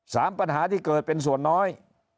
สามปัญหาที่เกิดเป็นส่วนน้อย